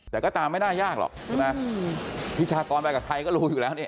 แต่ก็ตามไม่น่ายากหรอกพิชากรไปกับใครก็รู้อยู่แล้ว